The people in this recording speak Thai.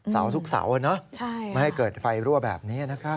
สาวทุกสาวเนอะไม่ให้เกิดไฟรั่วแบบนี้นะครับ